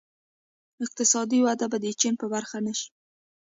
اقتصادي وده به د چین په برخه نه شي.